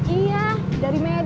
iya dari medan